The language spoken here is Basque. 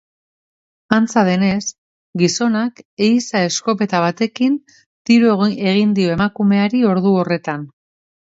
Antza denez, gizonak ehiza-eskopeta batekin tiro egin dio emakumeari ordu horretan.